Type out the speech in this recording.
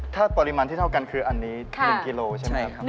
ถ้าปริมาณที่เท่ากันคืออันนี้๑กิโลใช่ไหมครับ